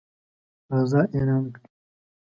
غزا اعلان کړي.